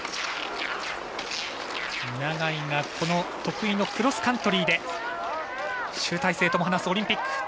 永井が得意のクロスカントリーで集大成とも話すオリンピック。